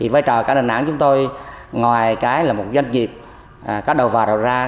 vãi trò cảng đà nẵng chúng tôi ngoài cái là một doanh nghiệp có đầu vào đầu ra